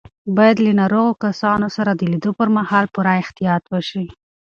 باید له ناروغو کسانو سره د لیدو پر مهال پوره احتیاط وشي.